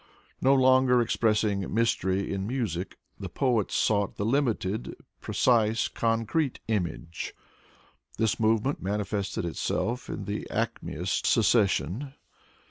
No longer expressing mystery in music, the poets sought the limited, precise, concrete image. This movement manifested itself in the Acmeist secession.